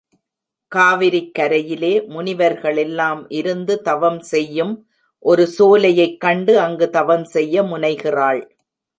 காவிரிக்கரையிலே முனிவர்களெல்லாம் இருந்து தவம் செய்யும் ஒரு சோலையைக் கண்டு அங்கு தவம் செய்ய முனைகிறாள்.